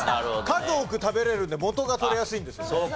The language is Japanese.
数多く食べられるので元が取れやすいんですよ。